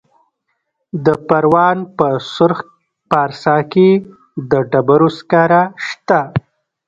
د پروان په سرخ پارسا کې د ډبرو سکاره شته.